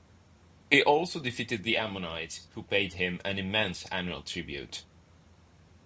He also defeated the Ammonites, who paid him an immense annual tribute.